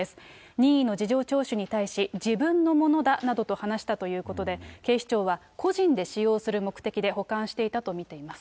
任意の事情聴取に対し、自分のものだなどと話したということで、警視庁は個人で使用する目的で保管していたと見ています。